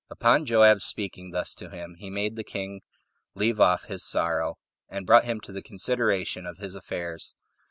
Upon Joab's speaking thus to him, he made the king leave off his sorrow, and brought him to the consideration of his affairs.